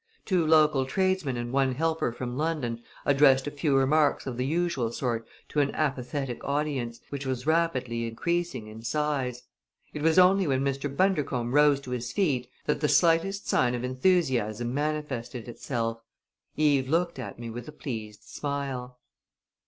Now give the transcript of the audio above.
Two local tradesmen and one helper from London addressed a few remarks of the usual sort to an apathetic audience, which was rapidly increasing in size. It was only when Mr. Bundercombe rose to his feet that the slightest sign of enthusiasm manifested itself. Eve looked at me with a pleased smile.